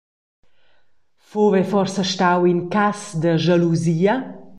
Fuva ei forsa stau in cass da schalusia?